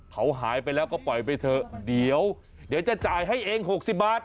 เขาหายไปแล้วก็ปล่อยไปเถอะเดี๋ยวจะจ่ายให้เอง๖๐บาท